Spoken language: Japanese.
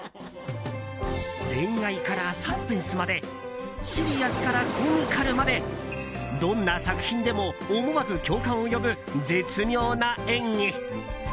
恋愛からサスペンスまでシリアスからコミカルまでどんな作品でも思わず共感を呼ぶ絶妙な演技。